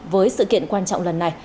với sự kiện quan trọng lần này